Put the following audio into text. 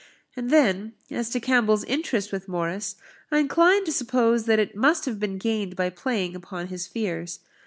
And then, as to Campbell's interest with Morris, I incline to suppose that it must have been gained by playing upon his fears.